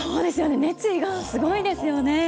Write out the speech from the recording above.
熱意がすごいですよね。